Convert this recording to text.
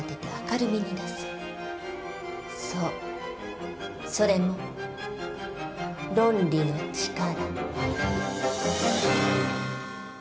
そうそれも「ロンリのちから」。